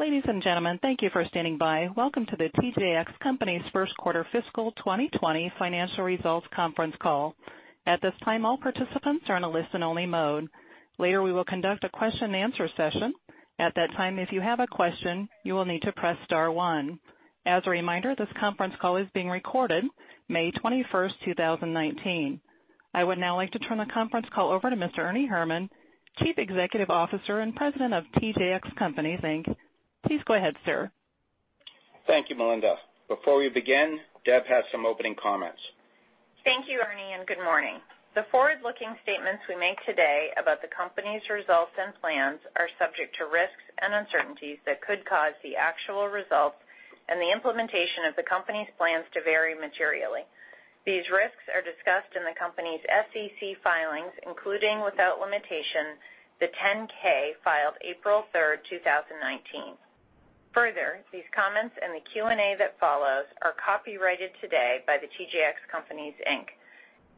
Ladies and gentlemen, thank you for standing by. Welcome to the TJX Companies first quarter fiscal 2020 financial results conference call. At this time, all participants are on a listen-only mode. Later, we will conduct a question-and-answer session. At that time, if you have a question, you will need to press star one. As a reminder, this conference call is being recorded May 21, 2019. I would now like to turn the conference call over to Mr. Ernie Herrman, Chief Executive Officer and President of TJX Companies, Inc. Please go ahead, sir. Thank you, Melinda. Before we begin, Deb has some opening comments. Thank you, Ernie. Good morning. The forward-looking statements we make today about the company's results and plans are subject to risks and uncertainties that could cause the actual results and the implementation of the company's plans to vary materially. These risks are discussed in the company's SEC filings, including without limitation, the 10K filed April 3, 2019. Further, these comments and the Q&A that follows are copyrighted today by TJX Companies, Inc.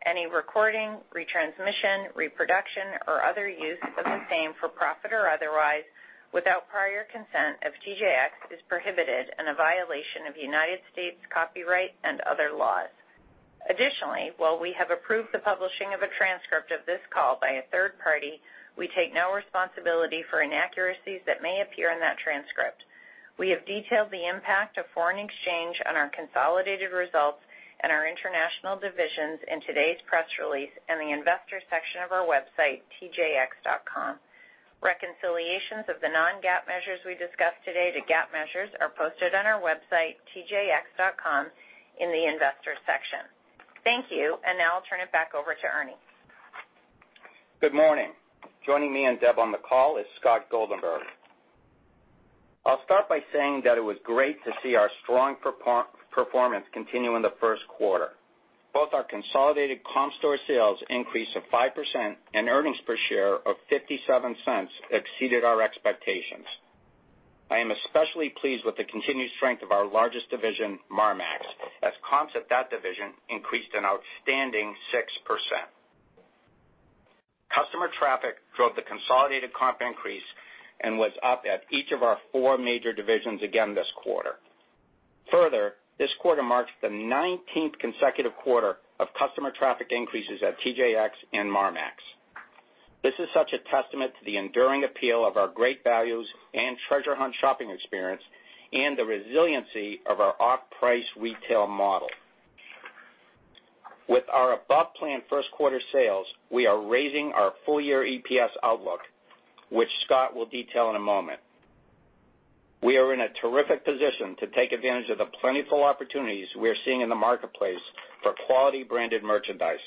Any recording, retransmission, reproduction, or other use of the same for profit or otherwise without prior consent of TJX is prohibited and a violation of United States copyright and other laws. Additionally, while we have approved the publishing of a transcript of this call by a third party, we take no responsibility for inaccuracies that may appear in that transcript. We have detailed the impact of foreign exchange on our consolidated results and our international divisions in today's press release in the investor section of our website, tjx.com. Reconciliations of the non-GAAP measures we discuss today to GAAP measures are posted on our website, tjx.com in the investor section. Thank you. Now I'll turn it back over to Ernie. Good morning. Joining me and Deb on the call is Scott Goldenberg. I'll start by saying that it was great to see our strong performance continue in the first quarter. Both our consolidated comp store sales increase of 5% and earnings per share of $0.57 exceeded our expectations. I am especially pleased with the continued strength of our largest division, Marmaxx, as comps at that division increased an outstanding 6%. Customer traffic drove the consolidated comp increase and was up at each of our four major divisions again this quarter. Further, this quarter marks the 19th consecutive quarter of customer traffic increases at TJX and Marmaxx. This is such a testament to the enduring appeal of our great values and treasure hunt shopping experience and the resiliency of our off-price retail model. With our above-plan first quarter sales, we are raising our full year EPS outlook, which Scott will detail in a moment. We are in a terrific position to take advantage of the plentiful opportunities we are seeing in the marketplace for quality branded merchandise.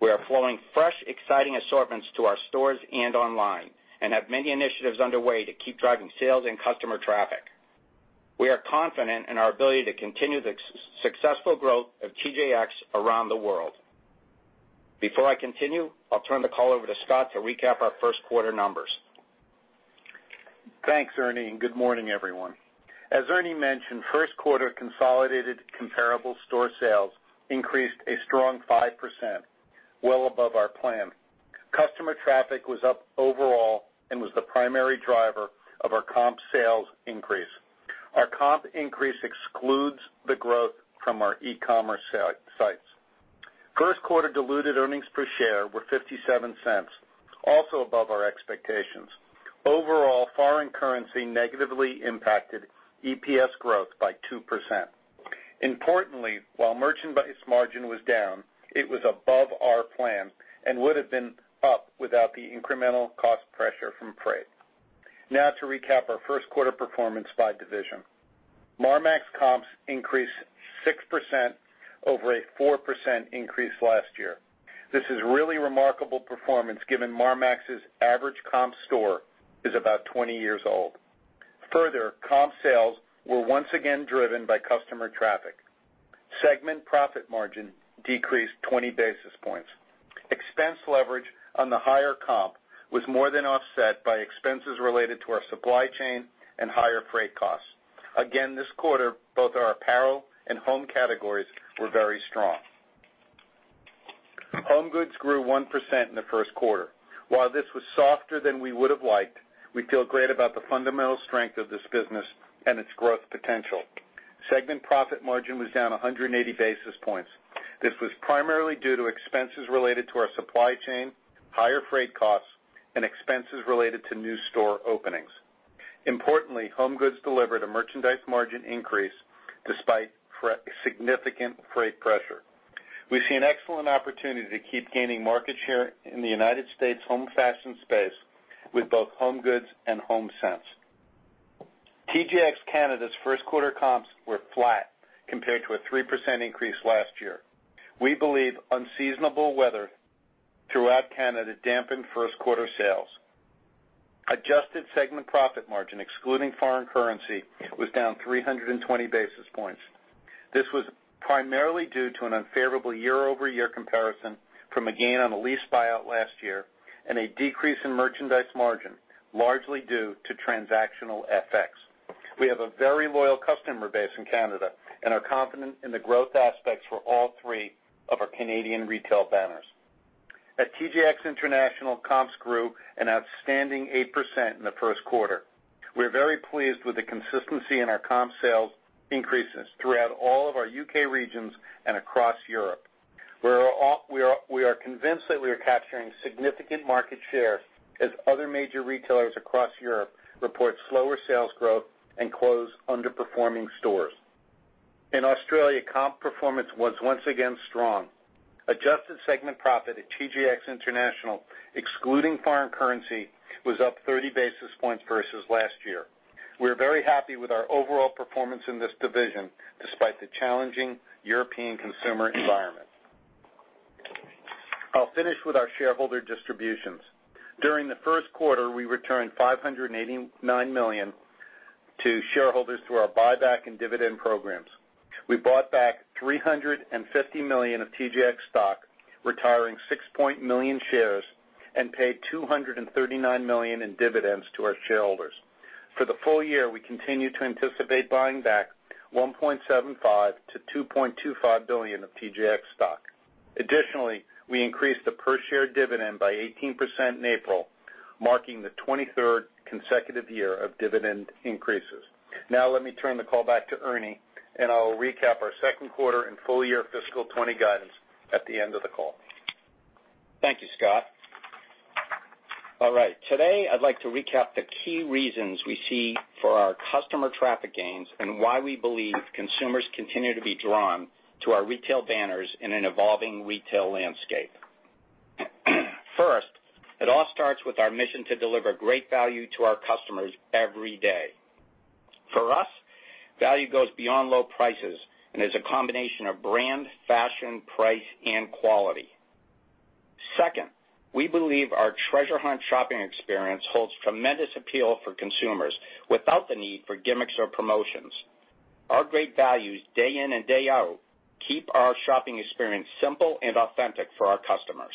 We are flowing fresh, exciting assortments to our stores and online and have many initiatives underway to keep driving sales and customer traffic. We are confident in our ability to continue the successful growth of TJX around the world. Before I continue, I'll turn the call over to Scott to recap our first quarter numbers. Thanks, Ernie. Good morning, everyone. As Ernie mentioned, first quarter consolidated comparable store sales increased a strong 5%, well above our plan. Customer traffic was up overall and was the primary driver of our comp sales increase. Our comp increase excludes the growth from our e-commerce sites. First quarter diluted earnings per share were $0.57, also above our expectations. Overall, foreign currency negatively impacted EPS growth by 2%. Importantly, while merchandise margin was down, it was above our plan and would have been up without the incremental cost pressure from freight. Now to recap our first quarter performance by division. Marmaxx comps increased 6% over a 4% increase last year. This is really remarkable performance given Marmaxx's average comp store is about 20 years old. Further, comp sales were once again driven by customer traffic. Segment profit margin decreased 20 basis points. Expense leverage on the higher comp was more than offset by expenses related to our supply chain and higher freight costs. Again, this quarter, both our apparel and home categories were very strong. HomeGoods grew 1% in the first quarter. While this was softer than we would have liked, we feel great about the fundamental strength of this business and its growth potential. Segment profit margin was down 180 basis points. This was primarily due to expenses related to our supply chain, higher freight costs, and expenses related to new store openings. Importantly, HomeGoods delivered a merchandise margin increase despite significant freight pressure. We see an excellent opportunity to keep gaining market share in the U.S. home fashion space with both HomeGoods and Homesense. TJX Canada's first quarter comps were flat compared to a 3% increase last year. We believe unseasonable weather throughout Canada dampened first quarter sales. Adjusted segment profit margin excluding foreign currency was down 320 basis points. This was primarily due to an unfavorable year-over-year comparison from a gain on a lease buyout last year and a decrease in merchandise margin, largely due to transactional FX. We have a very loyal customer base in Canada and are confident in the growth aspects for all three of our Canadian retail banners. At TJX International, comps grew an outstanding 8% in the first quarter. We are very pleased with the consistency in our comp sales increases throughout all of our U.K. regions and across Europe. We are convinced that we are capturing significant market share as other major retailers across Europe report slower sales growth and close underperforming stores. In Australia, comp performance was once again strong. Adjusted segment profit at TJX International, excluding foreign currency, was up 30 basis points versus last year. We are very happy with our overall performance in this division, despite the challenging European consumer environment. I'll finish with our shareholder distributions. During the first quarter, we returned $589 million to shareholders through our buyback and dividend programs. We bought back $350 million of TJX stock, retiring 6 million shares, and paid $239 million in dividends to our shareholders. For the full year, we continue to anticipate buying back $1.75 billion-$2.25 billion of TJX stock. Additionally, we increased the per-share dividend by 18% in April, marking the 23rd consecutive year of dividend increases. Let me turn the call back to Ernie, and I'll recap our second quarter and full-year FY 2020 guidance at the end of the call. Thank you, Scott. I'd like to recap the key reasons we see for our customer traffic gains and why we believe consumers continue to be drawn to our retail banners in an evolving retail landscape. First, it all starts with our mission to deliver great value to our customers every day. For us, value goes beyond low prices and is a combination of brand, fashion, price, and quality. Second, we believe our treasure hunt shopping experience holds tremendous appeal for consumers without the need for gimmicks or promotions. Our great values, day in and day out, keep our shopping experience simple and authentic for our customers.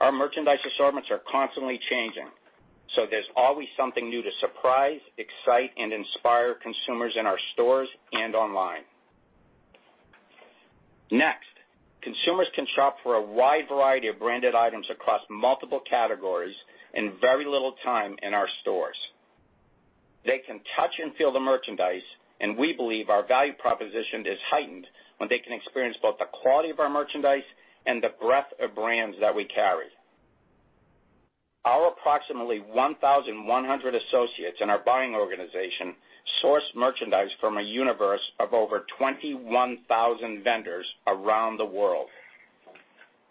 Our merchandise assortments are constantly changing, there's always something new to surprise, excite, and inspire consumers in our stores and online. Next, consumers can shop for a wide variety of branded items across multiple categories in very little time in our stores. They can touch and feel the merchandise, we believe our value proposition is heightened when they can experience both the quality of our merchandise and the breadth of brands that we carry. Our approximately 1,100 associates in our buying organization source merchandise from a universe of over 21,000 vendors around the world.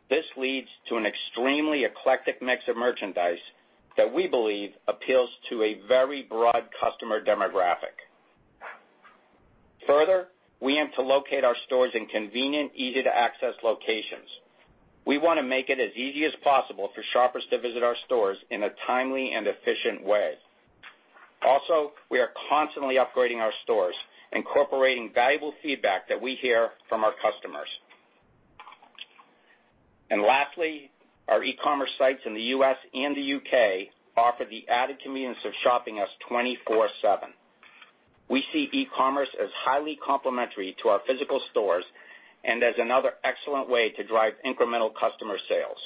This leads to an extremely eclectic mix of merchandise that we believe appeals to a very broad customer demographic. Further, we aim to locate our stores in convenient, easy-to-access locations. We want to make it as easy as possible for shoppers to visit our stores in a timely and efficient way. We are constantly upgrading our stores, incorporating valuable feedback that we hear from our customers. Lastly, our e-commerce sites in the U.S. and the U.K. offer the added convenience of shopping us 24/7. We see e-commerce as highly complementary to our physical stores and as another excellent way to drive incremental customer sales.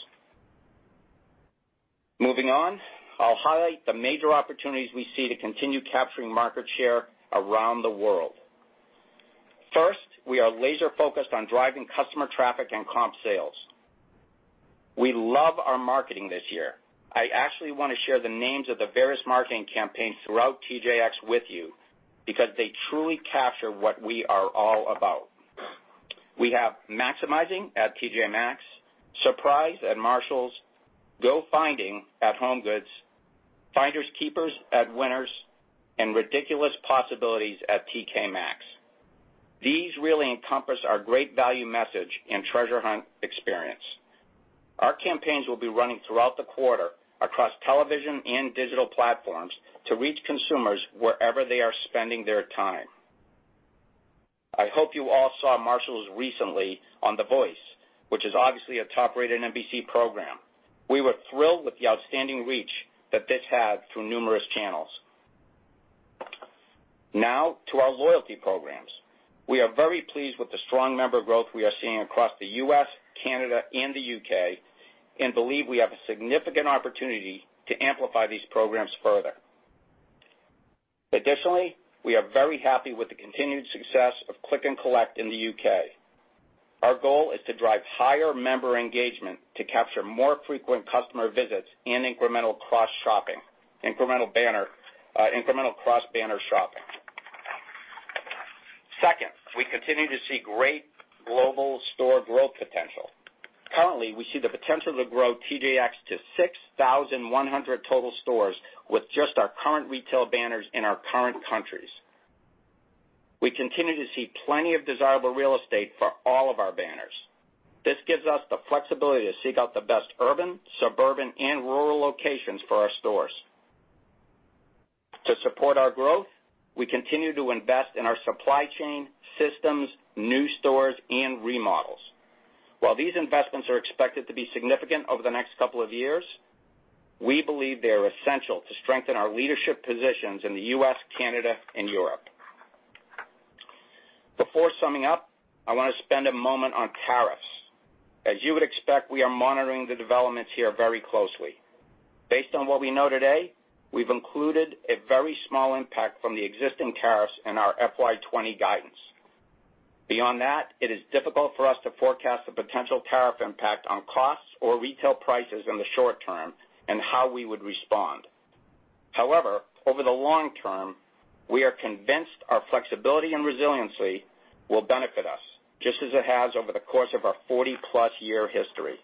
Moving on. I'll highlight the major opportunities we see to continue capturing market share around the world. First, we are laser-focused on driving customer traffic and comp sales. We love our marketing this year. I actually want to share the names of the various marketing campaigns throughout TJX with you because they truly capture what we are all about. We have Maxxinista at T.J. Maxx, Surprise at Marshalls, Go Finding at HomeGoods, Finders Keepers at Winners, and Ridiculous Possibilities at TK Maxx. These really encompass our great value message and treasure hunt experience. Our campaigns will be running throughout the quarter across television and digital platforms to reach consumers wherever they are spending their time. I hope you all saw Marshalls recently on "The Voice," which is obviously a top-rated NBC program. We were thrilled with the outstanding reach that this had through numerous channels. Now to our loyalty programs. We are very pleased with the strong member growth we are seeing across the U.S., Canada, and the U.K. and believe we have a significant opportunity to amplify these programs further. Additionally, we are very happy with the continued success of Click and Collect in the U.K. Our goal is to drive higher member engagement to capture more frequent customer visits and incremental cross-banner shopping. Second, we continue to see great global store growth potential. Currently, we see the potential to grow TJX to 6,100 total stores with just our current retail banners in our current countries. We continue to see plenty of desirable real estate for all of our banners. This gives us the flexibility to seek out the best urban, suburban, and rural locations for our stores. To support our growth, we continue to invest in our supply chain, systems, new stores, and remodels. While these investments are expected to be significant over the next couple of years, we believe they are essential to strengthen our leadership positions in the U.S., Canada, and Europe. Before summing up, I wanna spend a moment on tariffs. As you would expect, we are monitoring the developments here very closely. Based on what we know today, we've included a very small impact from the existing tariffs in our FY 2020 guidance. Beyond that, it is difficult for us to forecast the potential tariff impact on costs or retail prices in the short term and how we would respond. However, over the long term, we are convinced our flexibility and resiliency will benefit us, just as it has over the course of our 40-plus year history.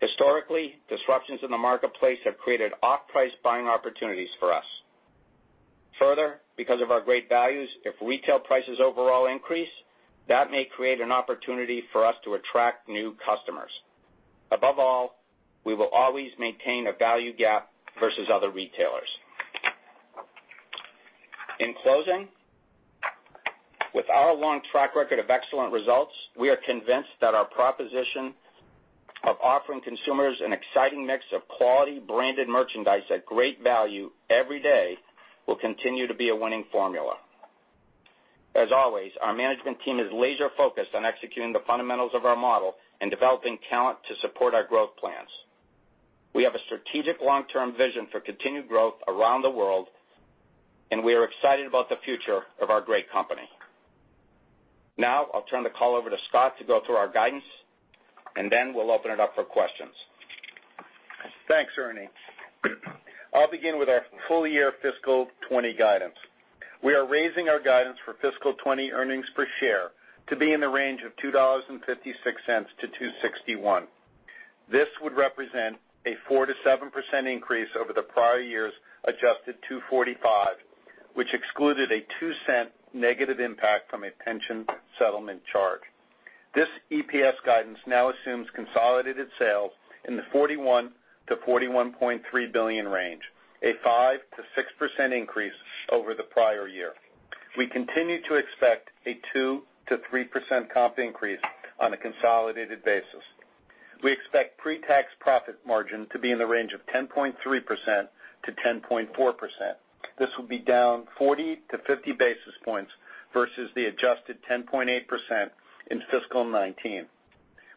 Historically, disruptions in the marketplace have created off-price buying opportunities for us. Because of our great values, if retail prices overall increase, that may create an opportunity for us to attract new customers. Above all, we will always maintain a value gap versus other retailers. In closing, with our long track record of excellent results, we are convinced that our proposition of offering consumers an exciting mix of quality branded merchandise at great value every day will continue to be a winning formula. As always, our management team is laser-focused on executing the fundamentals of our model and developing talent to support our growth plans. We have a strategic long-term vision for continued growth around the world, and we are excited about the future of our great company. I'll turn the call over to Scott to go through our guidance. Then we'll open it up for questions. Thanks, Ernie. I'll begin with our full year fiscal 2020 guidance. We are raising our guidance for fiscal 2020 earnings per share to be in the range of $2.56-$2.61. This would represent a 4%-7% increase over the prior year's adjusted $2.45, which excluded a $0.02 negative impact from a pension settlement charge. This EPS guidance now assumes consolidated sales in the $41 billion-$41.3 billion range, a 5%-6% increase over the prior year. We continue to expect a 2%-3% comp increase on a consolidated basis. We expect pre-tax profit margin to be in the range of 10.3%-10.4%. This will be down 40-50 basis points versus the adjusted 10.8% in fiscal 2019.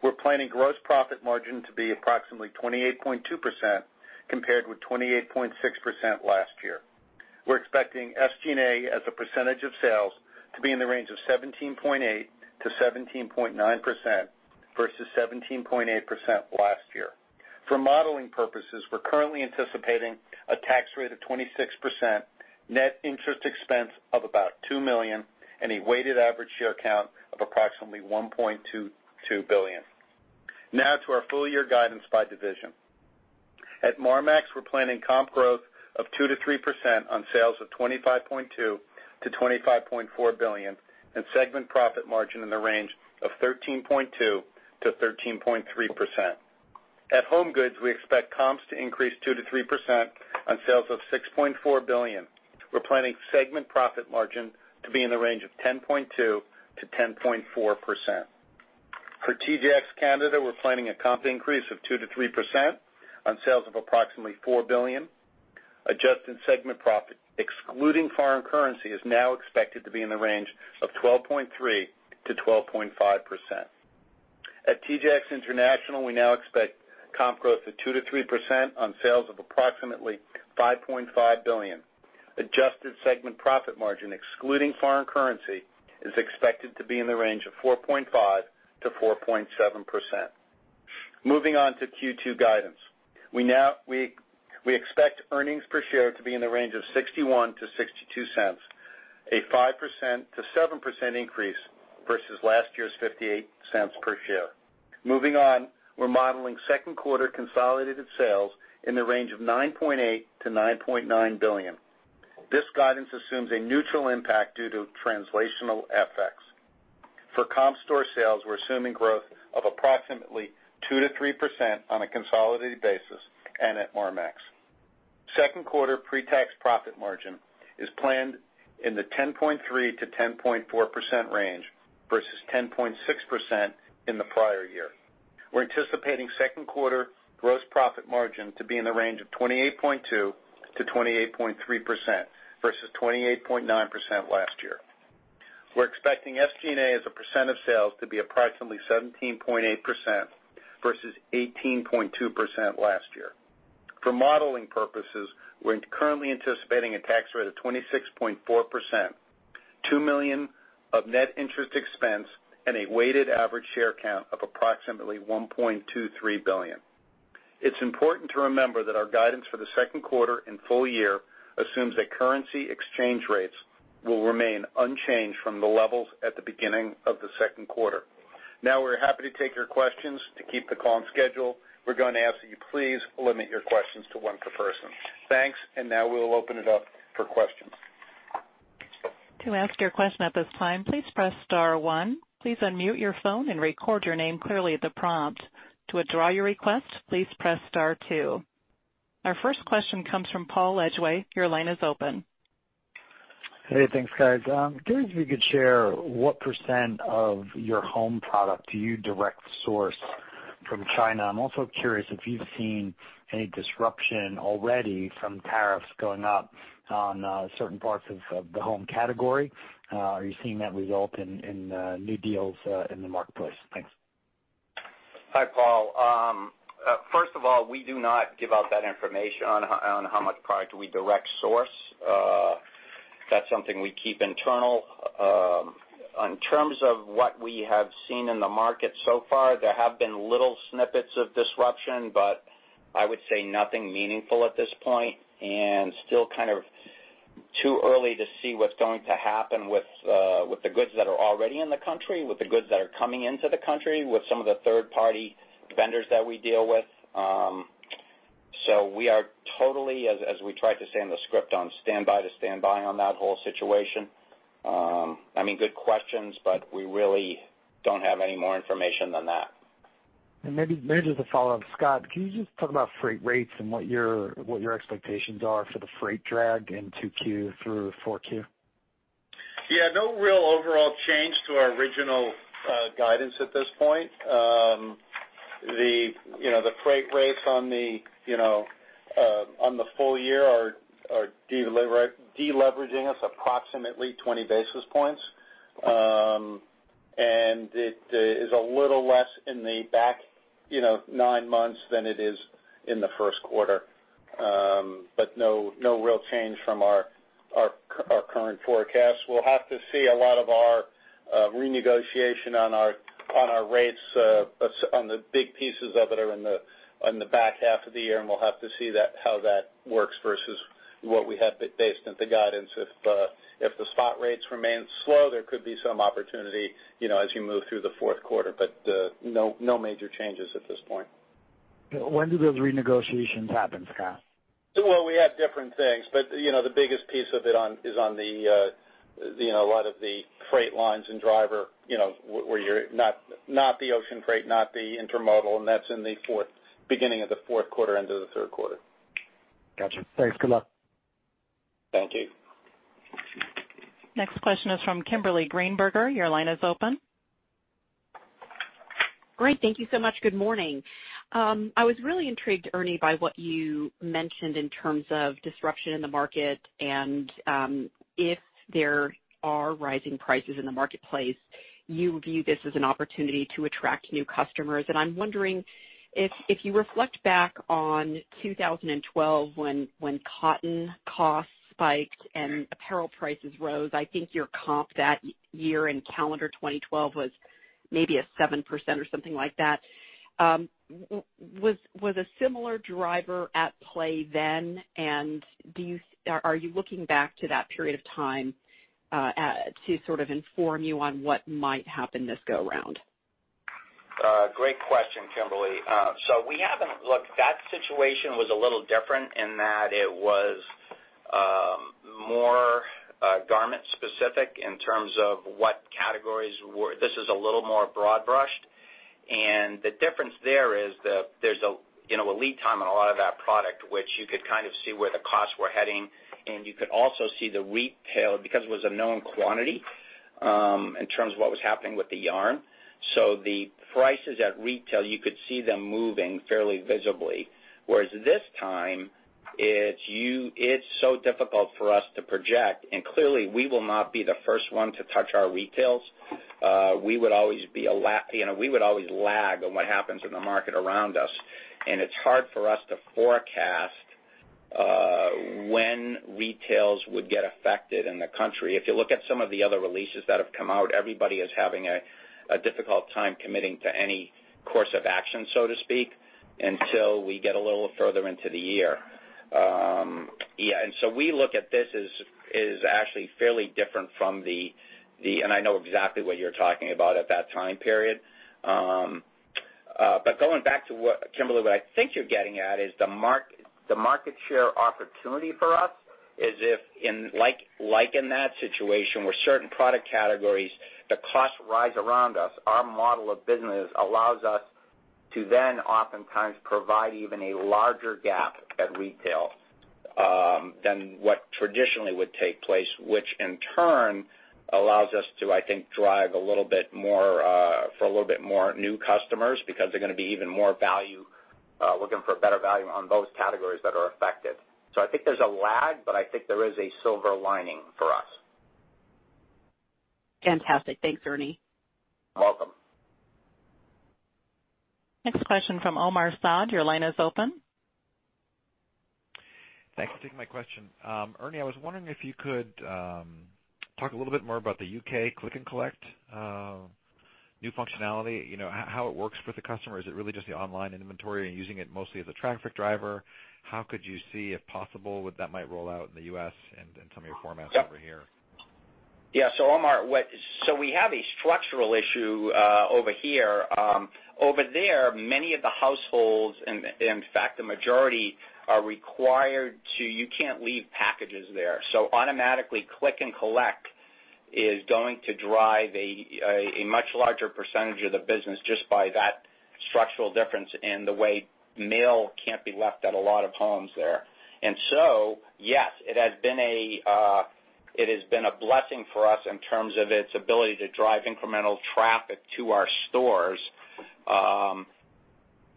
We're planning gross profit margin to be approximately 28.2%, compared with 28.6% last year. We're expecting SG&A as a percentage of sales to be in the range of 17.8%-17.9%, versus 17.8% last year. For modeling purposes, we're currently anticipating a tax rate of 26%, net interest expense of about $2 million, and a weighted average share count of approximately 1.22 billion. To our full year guidance by division. At Marmaxx, we're planning comp growth of 2%-3% on sales of $25.2 billion-$25.4 billion and segment profit margin in the range of 13.2%-13.3%. At HomeGoods, we expect comps to increase 2%-3% on sales of $6.4 billion. We're planning segment profit margin to be in the range of 10.2%-10.4%. For TJX Canada, we're planning a comp increase of 2%-3% on sales of approximately $4 billion. Adjusted segment profit, excluding foreign currency, is now expected to be in the range of 12.3%-12.5%. At TJX International, we now expect comp growth of 2%-3% on sales of approximately $5.5 billion. Adjusted segment profit margin, excluding foreign currency, is expected to be in the range of 4.5%-4.7%. Moving on to Q2 guidance. We expect earnings per share to be in the range of $0.61-$0.62, a 5%-7% increase versus last year's $0.58 per share. We're modeling second quarter consolidated sales in the range of $9.8 billion-$9.9 billion. This guidance assumes a neutral impact due to translational FX. For comp store sales, we're assuming growth of approximately 2%-3% on a consolidated basis and at Marmaxx. Second quarter pre-tax profit margin is planned in the 10.3%-10.4% range versus 10.6% in the prior year. We're anticipating second quarter gross profit margin to be in the range of 28.2%-28.3%, versus 28.9% last year. We're expecting SG&A as a percent of sales to be approximately 17.8%, versus 18.2% last year. For modeling purposes, we're currently anticipating a tax rate of 26.4%, $2 million of net interest expense, and a weighted average share count of approximately 1.23 billion. It's important to remember that our guidance for the second quarter and full year assumes that currency exchange rates will remain unchanged from the levels at the beginning of the second quarter. We're happy to take your questions. To keep the call on schedule, we're going to ask that you please limit your questions to one per person. Thanks, we'll open it up for questions. To ask your question at this time, please press star one. Please unmute your phone and record your name clearly at the prompt. To withdraw your request, please press star two. Our first question comes from Paul Lejuez. Your line is open. Hey, thanks, guys. I'm curious if you could share what percent of your home product do you direct source from China. I'm also curious if you've seen any disruption already from tariffs going up on certain parts of the home category. Are you seeing that result in new deals in the marketplace? Thanks. Hi, Paul. First of all, we do not give out that information on how much product we direct source. That's something we keep internal. In terms of what we have seen in the market so far, there have been little snippets of disruption, I would say nothing meaningful at this point, and still kind of too early to see what's going to happen with the goods that are already in the country, with the goods that are coming into the country, with some of the third-party vendors that we deal with. We are totally, as we tried to say in the script, on standby to standby on that whole situation. Good questions, we really don't have any more information than that. Maybe just a follow-up. Scott, can you just talk about freight rates and what your expectations are for the freight drag in 2Q through 4Q? Yeah. No real overall change to our original guidance at this point. The freight rates on the full year are deleveraging us approximately 20 basis points. It is a little less in the back nine months than it is in the first quarter, but no real change from our current forecast. We'll have to see a lot of our renegotiation on our rates on the big pieces of it that are in the back half of the year, and we'll have to see how that works versus what we had based on the guidance. If the spot rates remain slow, there could be some opportunity as you move through the fourth quarter, but no major changes at this point. When do those renegotiations happen, Scott? Well, we have different things, but the biggest piece of it is on a lot of the freight lines and driver, where you're not the ocean freight, not the intermodal, and that's in the beginning of the fourth quarter into the third quarter. Got you. Thanks. Good luck. Thank you. Next question is from Kimberly Greenberger. Your line is open. Great. Thank you so much. Good morning. I was really intrigued, Ernie, by what you mentioned in terms of disruption in the market and if there are rising prices in the marketplace, you view this as an opportunity to attract new customers. I'm wondering if you reflect back on 2012 when cotton costs spiked and apparel prices rose, I think your comp that year in calendar 2012 was maybe a 7% or something like that. Was a similar driver at play then, and are you looking back to that period of time to sort of inform you on what might happen this go around? Great question, Kimberly. That situation was a little different in that it was more garment specific in terms of what categories were. This is a little more broad-brushed. The difference there is that there's a lead time on a lot of that product, which you could kind of see where the costs were heading, and you could also see the retail because it was a known quantity in terms of what was happening with the yarn. The prices at retail, you could see them moving fairly visibly. Whereas this time, it's so difficult for us to project. Clearly, we will not be the first one to touch our retails. We would always lag on what happens in the market around us, and it's hard for us to forecast when retails would get affected in the country. If you look at some of the other releases that have come out, everybody is having a difficult time committing to any course of action, so to speak, until we get a little further into the year. Yeah, we look at this as actually fairly different from. I know exactly what you're talking about at that time period. Going back to what, Kimberly, what I think you're getting at is the market share opportunity for us is if, like in that situation where certain product categories, the costs rise around us, our model of business allows us to then oftentimes provide even a larger gap at retail than what traditionally would take place, which in turn allows us to, I think, drive for a little bit more new customers because they're going to be even more value, looking for better value on those categories that are affected. I think there's a lag, but I think there is a silver lining for us. Fantastic. Thanks, Ernie. Welcome. Next question from Omar Saad. Your line is open. Thanks for taking my question. Ernie, I was wondering if you could talk a little bit more about the U.K. click and collect new functionality, how it works for the customer. Is it really just the online inventory and using it mostly as a traffic driver? How could you see, if possible, would that might roll out in the U.S. and in some of your formats over here? Yeah. Omar, so we have a structural issue over here. Over there, many of the households, and in fact, the majority are required to You can't leave packages there. Automatically, click and collect is going to drive a much larger percentage of the business just by that structural difference in the way mail can't be left at a lot of homes there. Yes, it has been a blessing for us in terms of its ability to drive incremental traffic to our stores.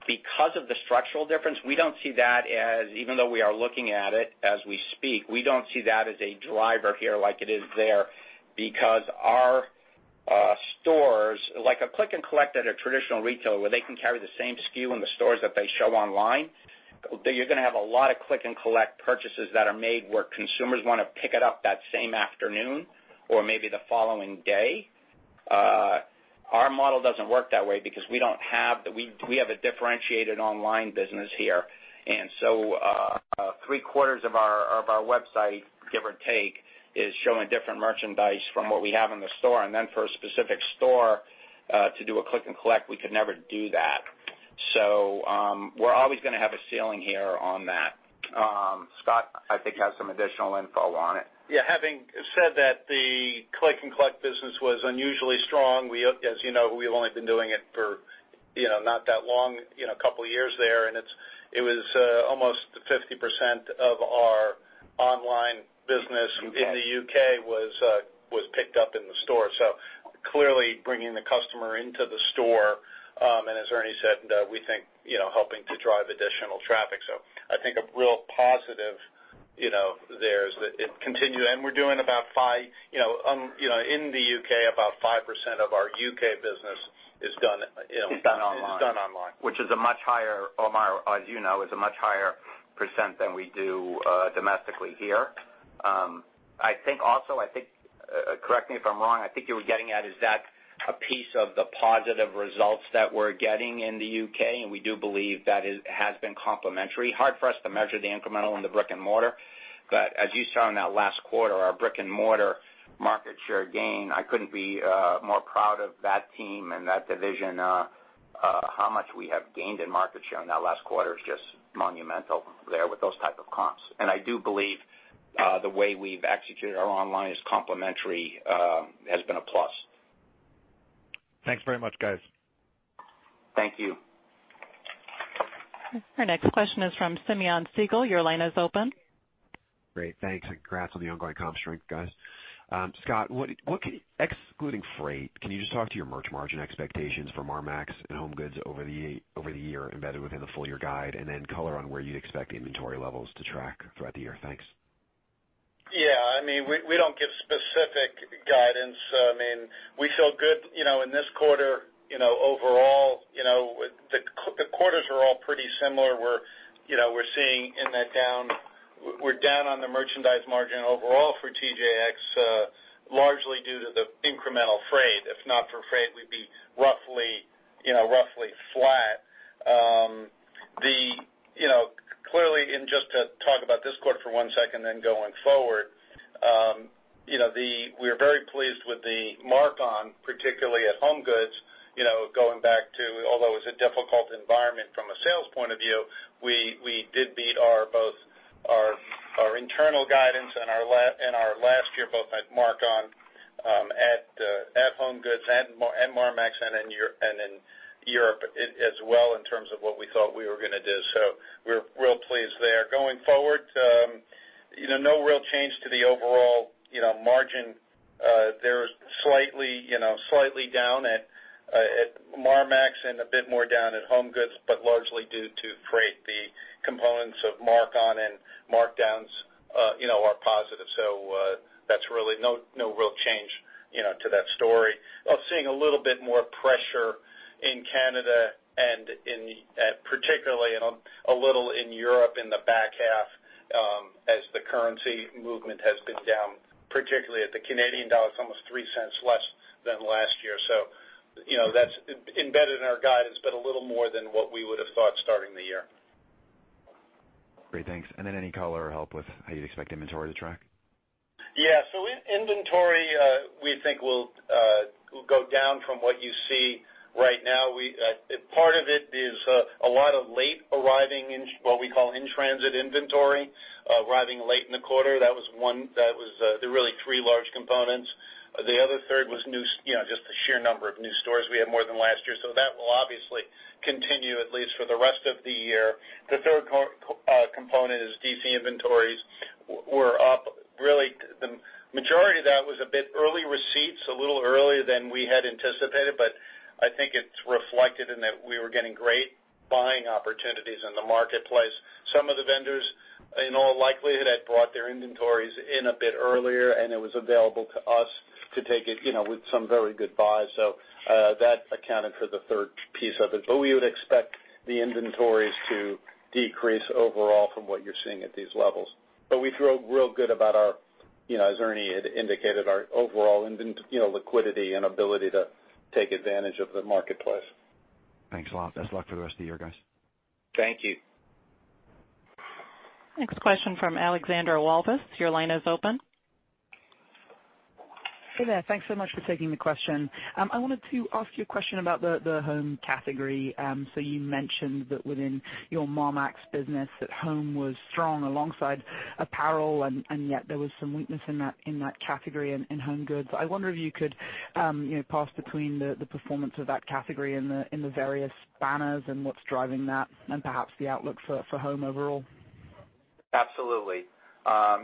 Because of the structural difference, we don't see that as, even though we are looking at it as we speak, we don't see that as a driver here like it is there, because our stores like a click and collect at a traditional retailer where they can carry the same SKU in the stores that they show online, you're going to have a lot of click-and-collect purchases that are made where consumers want to pick it up that same afternoon or maybe the following day. Our model doesn't work that way because we have a differentiated online business here. Three-quarters of our website, give or take, is showing different merchandise from what we have in the store. Then for a specific store, to do a click and collect, we could never do that. We're always going to have a ceiling here on that. Scott, I think, has some additional info on it. Yeah. Having said that, the Click and Collect business was unusually strong. As you know, we've only been doing it for not that long, a couple of years there, it was almost 50% of our online business in the U.K. was picked up in the store. Clearly bringing the customer into the store, and as Ernie said, we think helping to drive additional traffic. I think a real positive there is that it continue. We're doing about 5% of our U.K. business is done. Is done online. Is done online. Which is a much higher, Omar, as you know, is a much higher % than we do domestically here. I think also, correct me if I'm wrong, I think you were getting at, is that a piece of the positive results that we're getting in the U.K., and we do believe that it has been complementary. Hard for us to measure the incremental in the brick and mortar. As you saw in that last quarter, our brick and mortar market share gain, I couldn't be more proud of that team and that division. How much we have gained in market share in that last quarter is just monumental there with those type of comps. I do believe the way we've executed our online is complementary, has been a plus. Thanks very much, guys. Thank you. Our next question is from Simeon Siegel. Your line is open. Great. Thanks. Congrats on the ongoing comp strength, guys. Scott, excluding freight, can you just talk to your merch margin expectations for Marmaxx and HomeGoods over the year embedded within the full year guide, and then color on where you'd expect the inventory levels to track throughout the year? Thanks. Yeah. We don't give specific guidance. We feel good in this quarter, overall. The quarters are all pretty similar. We're down on the merchandise margin overall for TJX, largely due to the incremental freight. If not for freight, we'd be roughly flat. Clearly, and just to talk about this quarter for one second, then going forward, we are very pleased with the markon, particularly at HomeGoods. Going back to, although it was a difficult environment from a sales point of view, we did beat both our internal guidance and our last year, both at markon, at HomeGoods and Marmaxx and in Europe as well in terms of what we thought we were going to do. We're real pleased there. Going forward, no real change to the overall margin. They're slightly down at Marmaxx and a bit more down at HomeGoods, but largely due to freight. The components of markon and markdowns are positive. That's really no real change to that story. Seeing a little bit more pressure in Canada and particularly a little in Europe in the back half as the currency movement has been down, particularly at the Canadian dollar. It's almost 0.03 less than last year. That's embedded in our guidance, but a little more than what we would have thought starting the year. Great. Thanks. Any color or help with how you'd expect inventory to track? Yeah. Inventory, we think will go down from what you see right now. Part of it is a lot of late arriving, what we call in-transit inventory, arriving late in the quarter. There were really three large components. The other third was just the sheer number of new stores we had more than last year. That will obviously continue at least for the rest of the year. The third component is DC inventories were up. The majority of that was a bit early receipts, a little earlier than we had anticipated, but I think it's reflected in that we were getting great buying opportunities in the marketplace. Some of the vendors, in all likelihood, had brought their inventories in a bit earlier, and it was available to us to take it with some very good buys. That accounted for the third piece of it. We would expect the inventories to decrease overall from what you're seeing at these levels. We feel real good about our, as Ernie had indicated, our overall liquidity and ability to take advantage of the marketplace. Thanks a lot. Best luck for the rest of the year, guys. Thank you. Next question from Alexandra Walvis. Your line is open. Hey there. Thanks so much for taking the question. You mentioned that within your Marmaxx business, that home was strong alongside apparel, and yet there was some weakness in that category in HomeGoods. I wonder if you could parse between the performance of that category in the various banners and what's driving that, and perhaps the outlook for home overall. Absolutely.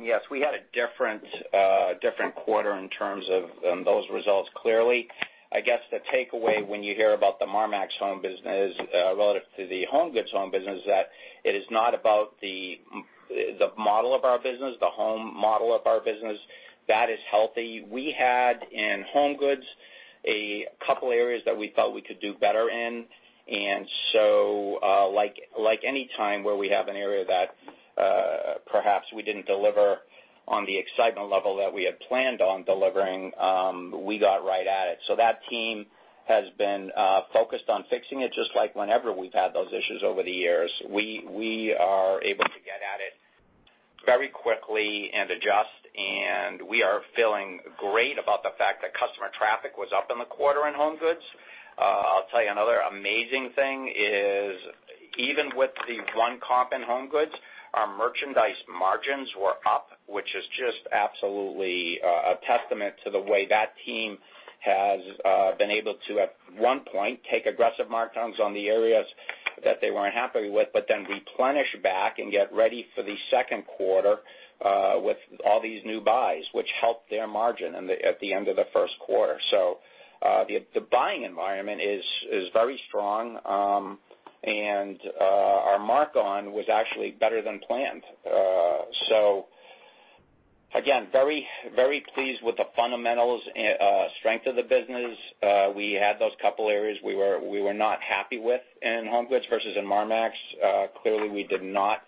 Yes, we had a different quarter in terms of those results, clearly. I guess the takeaway when you hear about the Marmaxx home business relative to the HomeGoods home business is that it is not about the model of our business, the home model of our business. That is healthy. We had, in HomeGoods, a couple areas that we thought we could do better in. Like any time where we have an area that perhaps we didn't deliver on the excitement level that we had planned on delivering, we got right at it. That team has been focused on fixing it, just like whenever we've had those issues over the years. We are able to get at it very quickly and adjust, and we are feeling great about the fact that customer traffic was up in the quarter in HomeGoods. I'll tell you another amazing thing is, even with the one comp in HomeGoods, our merchandise margins were up, which is just absolutely a testament to the way that team has been able to, at one point, take aggressive markdowns on the areas that they weren't happy with, but then replenish back and get ready for the second quarter with all these new buys, which helped their margin at the end of the first quarter. The buying environment is very strong. Our markon was actually better than planned. Again, very pleased with the fundamentals strength of the business. We had those couple areas we were not happy with in HomeGoods versus in Marmaxx. Clearly, we did not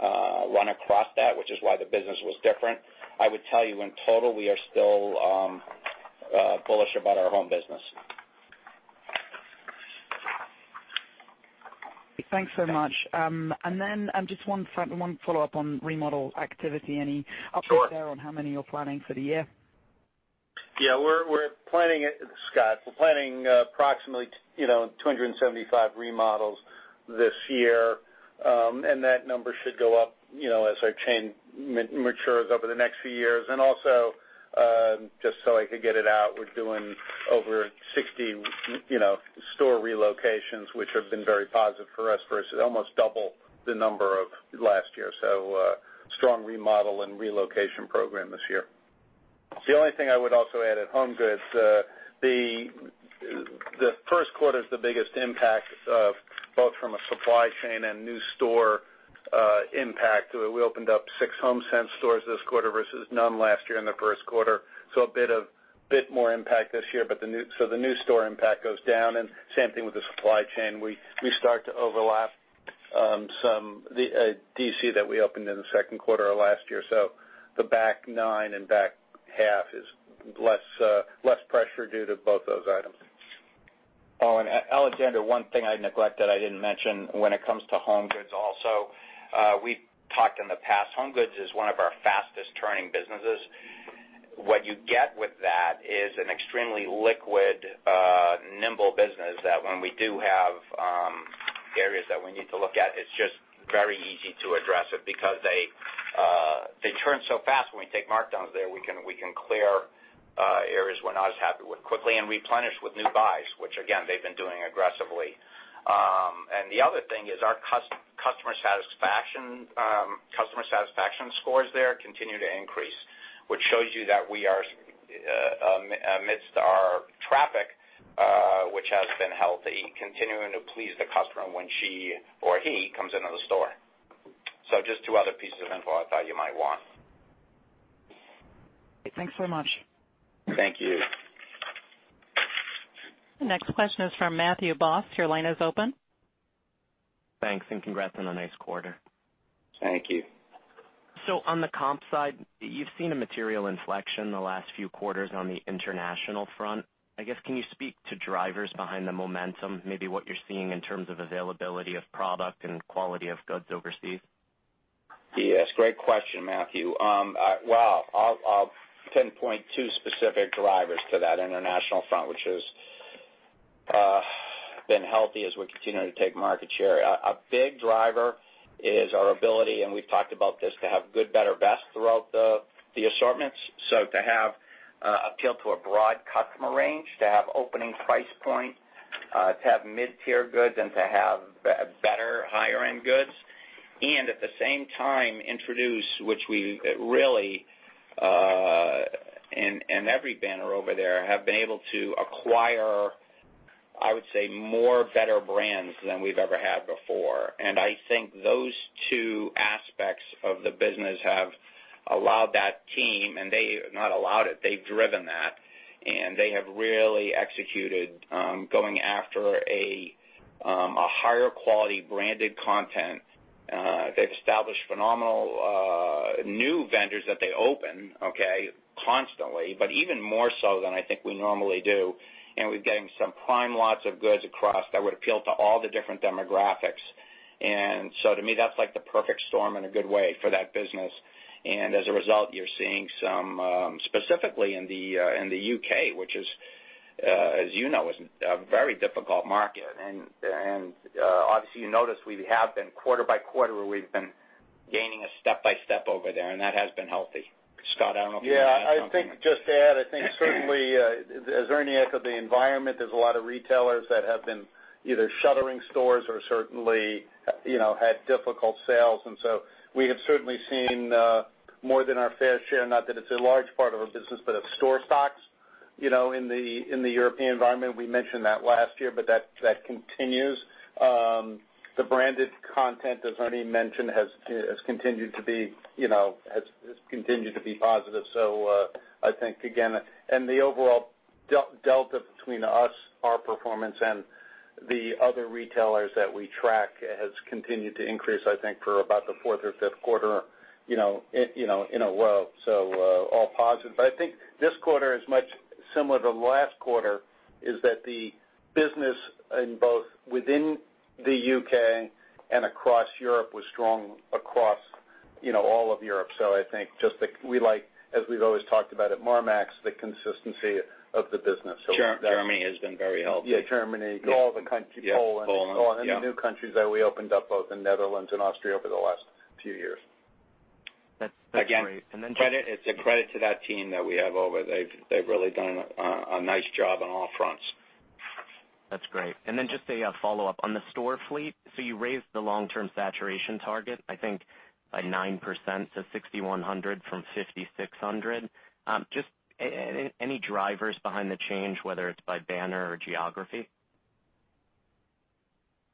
run across that, which is why the business was different. I would tell you, in total, we are still bullish about our home business. Thanks so much. Just one follow-up on remodel activity. Sure. Any updates there on how many you're planning for the year? Yeah, Scott, we're planning approximately 275 remodels this year. That number should go up as our chain matures over the next few years. Also, just so I could get it out, we're doing over 60 store relocations, which have been very positive for us versus almost double the number of last year. Strong remodel and relocation program this year. The only thing I would also add at HomeGoods, the first quarter is the biggest impact of both from a supply chain and new store impact. We opened up six HomeSense stores this quarter versus none last year in the first quarter. A bit more impact this year, so the new store impact goes down, and same thing with the supply chain. We start to overlap some DC that we opened in the second quarter of last year. The back nine and back half is less pressure due to both those items. Alexandra, one thing I neglected, I didn't mention when it comes to HomeGoods also. We talked in the past, HomeGoods is one of our fastest turning businesses. What you get with that is an extremely liquid, nimble business that when we do have areas that we need to look at, it's just very easy to address it because they turn so fast. When we take markdowns there, we can clear areas we're not as happy with quickly and replenish with new buys, which again, they've been doing aggressively. The other thing is our customer satisfaction scores there continue to increase, which shows you that amidst our traffic, which has been healthy, continuing to please the customer when she or he comes into the store. Just two other pieces of info I thought you might want. Thanks so much. Thank you. Next question is from Matthew Boss. Your line is open. Thanks. Congrats on a nice quarter. Thank you. On the comp side, you've seen a material inflection in the last few quarters on the international front. I guess, can you speak to drivers behind the momentum, maybe what you're seeing in terms of availability of product and quality of goods overseas? Yes. Great question, Matthew. Well, I'll pinpoint two specific drivers to that international front, which has been healthy as we continue to take market share. A big driver is our ability, and we've talked about this, to have good, better, best throughout the assortments. To have appeal to a broad customer range, to have opening price point, to have mid-tier goods, and to have better higher end goods. At the same time introduce, which we really, in every banner over there, have been able to acquire, I would say, more better brands than we've ever had before. I think those two aspects of the business have allowed that team, and not allowed it, they've driven that, and they have really executed, going after a higher quality branded content. They've established phenomenal new vendors that they open, okay, constantly, but even more so than I think we normally do. We're getting some prime lots of goods across that would appeal to all the different demographics. To me, that's like the perfect storm in a good way for that business. As a result, you're seeing some, specifically in the U.K., which as you know, is a very difficult market. Obviously you notice we have been quarter by quarter, we've been gaining a step by step over there, and that has been healthy. Scott, I don't know if you want to add something. Yeah, I think just to add. I think certainly, as Ernie echoed the environment, there's a lot of retailers that have been either shuttering stores or certainly had difficult sales. We have certainly seen more than our fair share, not that it's a large part of our business, but of store stocks, in the European environment. We mentioned that last year, but that continues. The branded content, as Ernie mentioned, has continued to be positive. I think, again, the overall delta between us, our performance, and the other retailers that we track has continued to increase, I think, for about the fourth or fifth quarter in a row. All positive. I think this quarter is much similar to last quarter, is that the business in both within the U.K. and across Europe was strong across all of Europe. I think just like we like, as we've always talked about at Marmaxx, the consistency of the business. Germany has been very healthy. Yeah, Germany, all the countries. Yeah. Poland. Poland. Yeah. The new countries that we opened up, both in Netherlands and Austria over the last few years. That's great. It's a credit to that team that we have over there. They've really done a nice job on all fronts. That's great. A follow-up. On the store fleet, you raised the long-term saturation target, I think by 9% to 6,100 from 5,600. Any drivers behind the change, whether it's by banner or geography?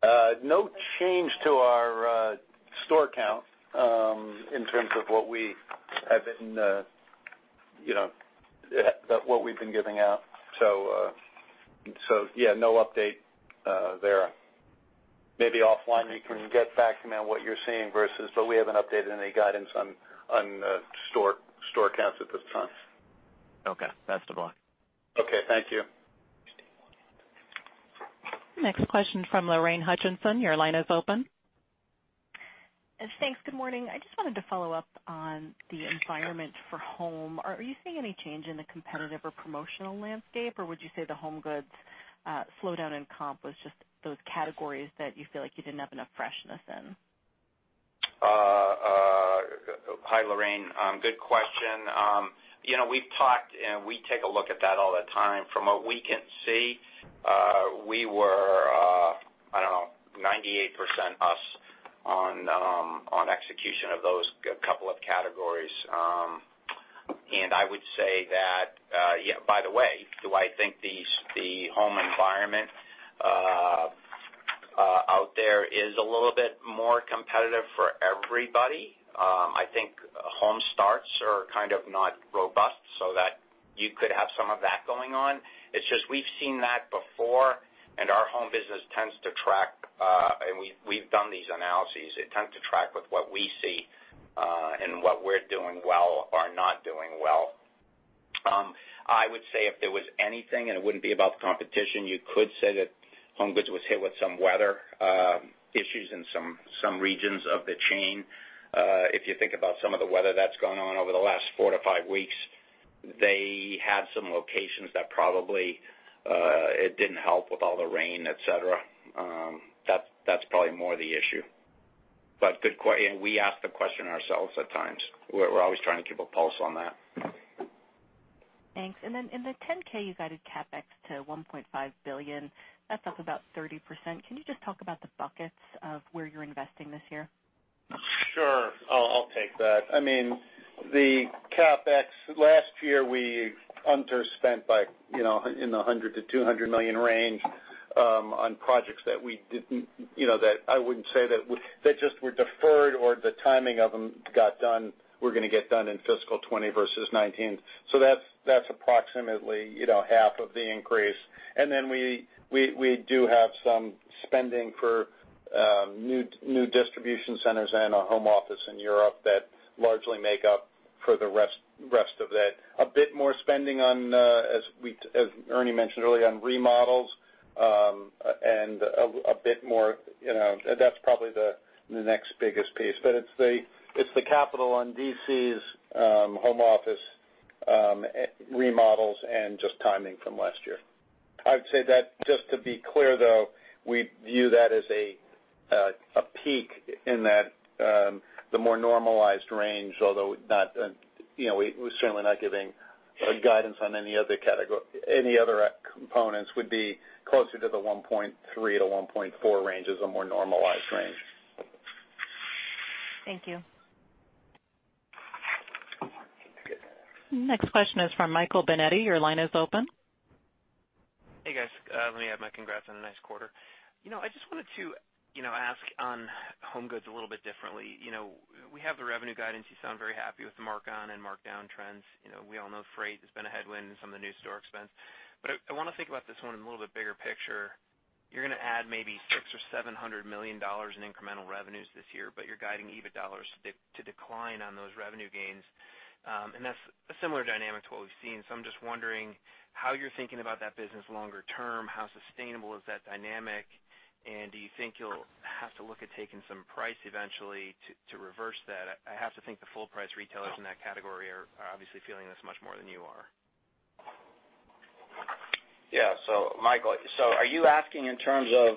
No change to our store count in terms of what we've been giving out. Yeah, no update there. Maybe offline you can get back to me on what you're seeing versus, we haven't updated any guidance on store counts at this time. That's the one. Okay. Thank you. Next question from Lorraine Hutchinson. Your line is open. Thanks. Good morning. I just wanted to follow up on the environment for home. Are you seeing any change in the competitive or promotional landscape, or would you say the HomeGoods slowdown in comp was just those categories that you feel like you didn't have enough freshness in? Hi, Lorraine. Good question. We take a look at that all the time. From what we can see, we were, I don't know, 98% us on execution of those couple of categories. I would say that, by the way, do I think the home environment out there is a little bit more competitive for everybody? I think home starts are kind of not robust so that you could have some of that going on. It's just we've seen that before, and our home business tends to track, and we've done these analyses. It tends to track with what we see, and what we're doing well or not doing well. I would say if there was anything, and it wouldn't be about the competition, you could say that HomeGoods was hit with some weather issues in some regions of the chain. If you think about some of the weather that's gone on over the last four to five weeks, they had some locations that probably it didn't help with all the rain, et cetera. That's probably more the issue. Good, and we ask the question ourselves at times. We're always trying to keep a pulse on that. Thanks. Then in the 10-K, you guided CapEx to $1.5 billion. That's up about 30%. Can you just talk about the buckets of where you're investing this year? Sure. I'll take that. The CapEx, last year, we underspent in the $100 million to $200 million range on projects that just were deferred or the timing of them got done, were going to get done in fiscal 2020 versus 2019. That's approximately half of the increase. Then we do have some spending for new distribution centers and a home office in Europe that largely make up for the rest of that. A bit more spending on, as Ernie mentioned earlier, on remodels, that's probably the next biggest piece. It's the capital on DCs, home office, remodels, and just timing from last year. I'd say that just to be clear, though, we view that as a peak in the more normalized range, although we're certainly not giving guidance on any other components would be closer to the $1.3 billion to $1.4 billion range is a more normalized range. Thank you. Next question is from Michael Binetti. Your line is open. Hey, guys. Let me add my congrats on a nice quarter. I just wanted to ask on HomeGoods a little bit differently. We have the revenue guidance. You sound very happy with the markon and markdown trends. We all know freight has been a headwind and some of the new store expense, but I want to think about this one in a little bit bigger picture. You're going to add maybe $600 million or $700 million in incremental revenues this year, but you're guiding EBIT dollars to decline on those revenue gains. That's a similar dynamic to what we've seen. I'm just wondering how you're thinking about that business longer term, how sustainable is that dynamic, and do you think you'll have to look at taking some price eventually to reverse that? I have to think the full price retailers in that category are obviously feeling this much more than you are. Yeah. Michael, are you asking in terms of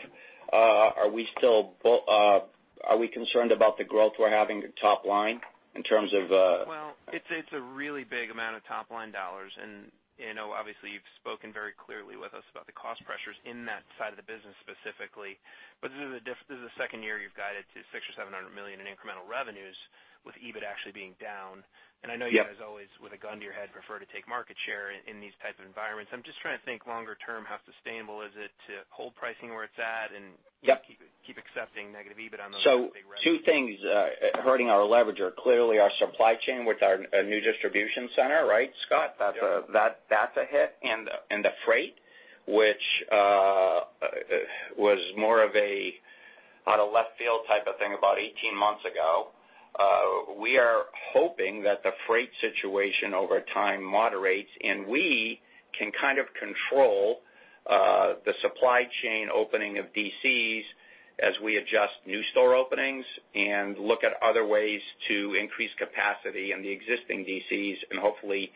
are we concerned about the growth we're having at top line in terms of. Well, it's a really big amount of top-line dollars and obviously you've spoken very clearly with us about the cost pressures in that side of the business specifically, but this is the second year you've guided to $600 million or $700 million in incremental revenues with EBIT actually being down. Yep. I know you guys always, with a gun to your head, prefer to take market share in these type of environments. I'm just trying to think longer term, how sustainable is it to hold pricing where it's at and. Yep keep accepting negative EBIT on those big revs. Two things hurting our leverage are clearly our supply chain with our new distribution center, right, Scott? That's a hit and the freight, which was more of a out of left field type of thing about 18 months ago. We are hoping that the freight situation over time moderates, and we can kind of control the supply chain opening of DCs as we adjust new store openings and look at other ways to increase capacity in the existing DCs and hopefully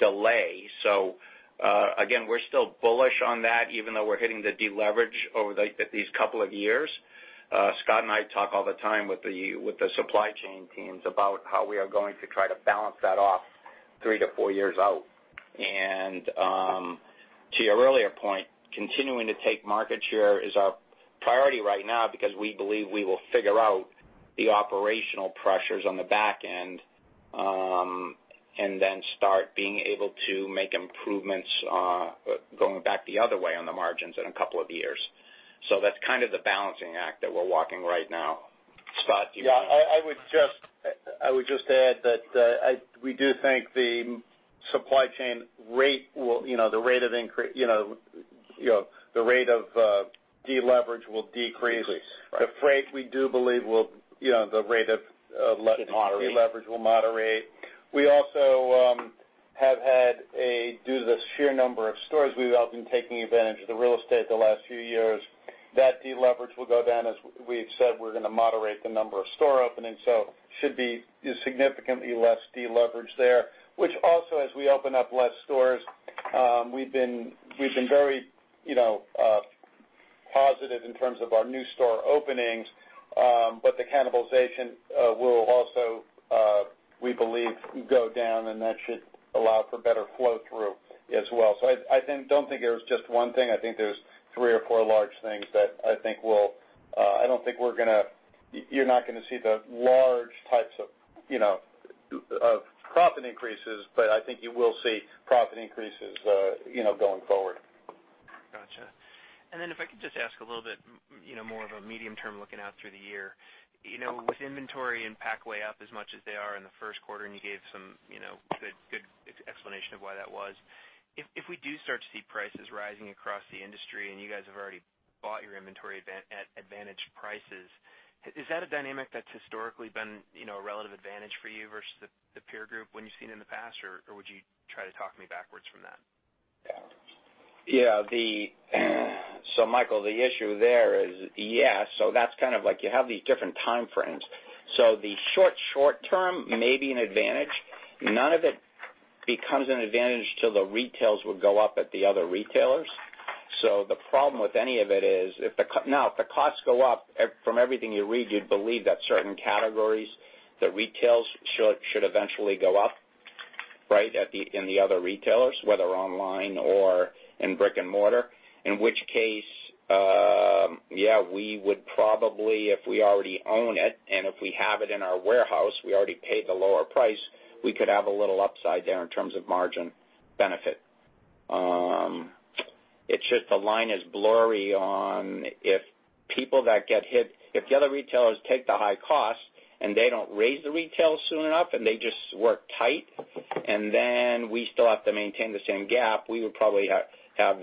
delay. Again, we're still bullish on that even though we're hitting the deleverage over these couple of years. Scott and I talk all the time with the supply chain teams about how we are going to try to balance that off three to four years out. To your earlier point, continuing to take market share is our priority right now because we believe we will figure out the operational pressures on the back end, and then start being able to make improvements, going back the other way on the margins in a couple of years. That's kind of the balancing act that we're walking right now. Scott, do you want to- I would just add that we do think the supply chain rate will decrease. Decrease. Right. The freight, we do believe will. It'll moderate deleverage will moderate. We also have had, due to the sheer number of stores, we have been taking advantage of the real estate the last few years. That deleverage will go down. As we've said, we're gonna moderate the number of store openings, should be significantly less deleverage there, which also, as we open up less stores, we've been very positive in terms of our new store openings, the cannibalization will also, we believe, go down and that should allow for better flow-through as well. I don't think there's just one thing. I think there's three or four large things that I think will. I don't think you're not gonna see the large types of profit increases, I think you will see profit increases going forward. Gotcha. Then if I could just ask a little bit more of a medium term looking out through the year. With inventory and packaway up as much as they are in the first quarter, you gave some good explanation of why that was. If we do start to see prices rising across the industry, you guys have already bought your inventory at advantaged prices, is that a dynamic that's historically been a relative advantage for you versus the peer group when you've seen in the past, or would you try to talk me backwards from that? Yeah. Michael, the issue there is, yeah, that's kind of like you have these different time frames. The short term may be an advantage. None of it becomes an advantage till the retails will go up at the other retailers. The problem with any of it is, now if the costs go up, from everything you read, you'd believe that certain categories, the retails should eventually go up, right, in the other retailers, whether online or in brick and mortar. In which case, yeah, we would probably, if we already own it and if we have it in our warehouse, we already paid the lower price, we could have a little upside there in terms of margin benefit. It's just the line is blurry on if people that get hit, if the other retailers take the high cost and they don't raise the retail soon enough and they just work tight, then we still have to maintain the same gap, we would probably have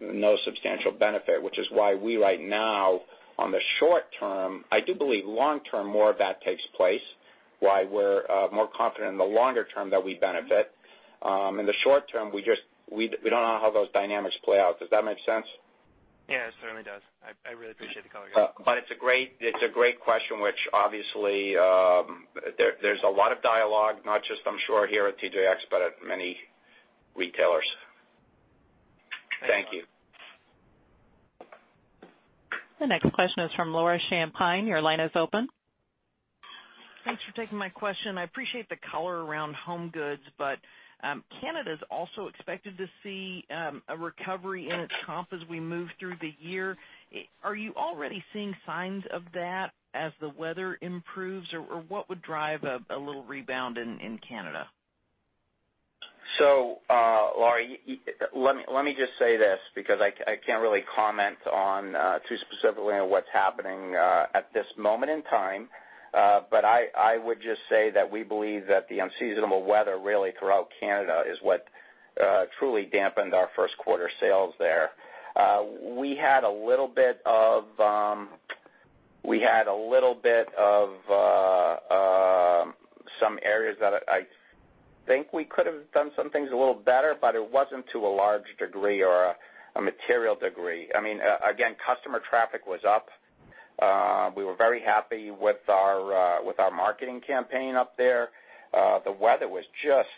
no substantial benefit, which is why we right now, on the short term I do believe long term, more of that takes place, why we're more confident in the longer term that we benefit. In the short term, we don't know how those dynamics play out. Does that make sense? Yeah, it certainly does. I really appreciate the color, guys. It's a great question, which obviously, there's a lot of dialogue, not just I'm sure here at TJX, but at many retailers. Thank you. The next question is from Laura Champine. Your line is open. Thanks for taking my question. I appreciate the color around HomeGoods, Canada's also expected to see a recovery in its comp as we move through the year. Are you already seeing signs of that as the weather improves, what would drive a little rebound in Canada? Laura, let me just say this because I can't really comment on too specifically on what's happening at this moment in time. I would just say that we believe that the unseasonal weather really throughout Canada is what truly dampened our first quarter sales there. We had a little bit of some areas that I think we could have done some things a little better, but it wasn't to a large degree or a material degree. Again, customer traffic was up. We were very happy with our marketing campaign up there. The weather was just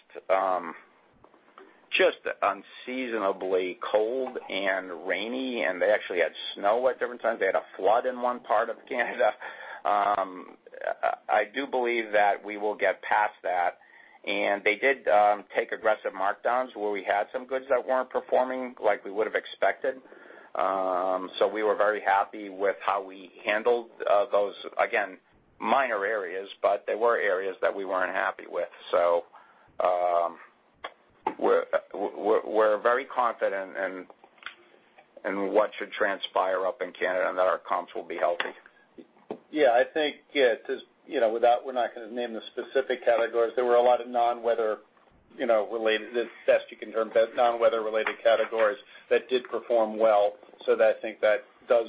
unseasonably cold and rainy, and they actually had snow at different times. They had a flood in one part of Canada. I do believe that we will get past that. They did take aggressive markdowns where we had some goods that weren't performing like we would have expected. We were very happy with how we handled those, again, minor areas, but they were areas that we weren't happy with. We're very confident in what should transpire up in Canada and that our comps will be healthy. Yeah. I think, we're not gonna name the specific categories. There were a lot of non-weather related, the best you can term, non-weather related categories that did perform well. I think that does